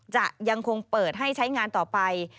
จะยังคงเปิดให้ใช้งานต่อไป